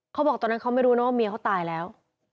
เขาบอกตอนนั้นเขาไม่รู้นะว่าเมียเขาตายแล้ว